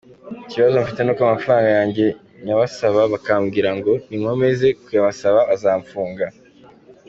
Ikibazo mfite n’uko amafaranga yanjye nyabasaba bakambwira ngo ninkomeza kuyabasaba bazamfunga.